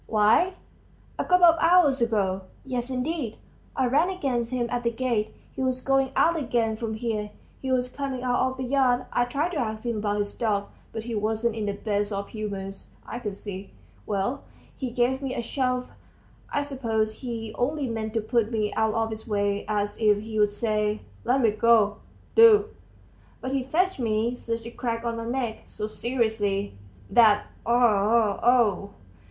"Why, a couple of hours ago. Yes, indeed! I ran against him at the gate; he was going out again from here; he was coming out of the yard. I tried to ask him about his dog, but he wasn't in the best of humors, I could see. Well, he gave me a shove; I suppose he only meant to put me out of his way, as if he'd say, 'Let me go, do!' but he fetched me such a crack on my neck, so seriously, that oh! oh!"